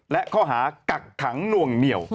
และข้อหากักขังหน่วงเหนียว